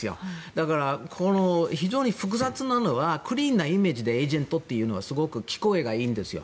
だから、非常に複雑なのはクリーンなイメージでエージェントというのは聞こえがいいんですよ。